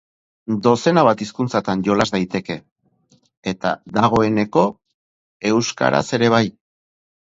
Dozena bat hizkuntzatan jolas daiteke, eta, dagoeneko, euskaraz ere bai.